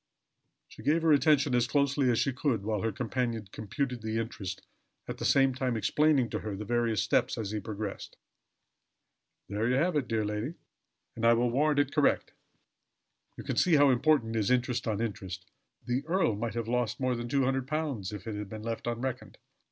She gave her attention as closely as she could, while her companion computed the interest, at the same time explaining to her the various steps as he progressed. "There you have it, dear lady; and I will warrant it correct. You can see how important is interest on interest. The earl might have lost more than £200 if that had been left unreckoned."